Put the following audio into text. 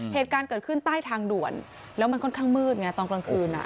เหตุการณ์เกิดขึ้นใต้ทางด่วนแล้วมันค่อนข้างมืดไงตอนกลางคืนอ่ะ